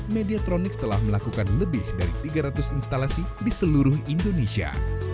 mediatronics telah melakukan lebih dari tiga ratus instalasi di seluruh indonesia